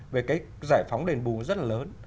về cái giải phóng đền bù rất là lớn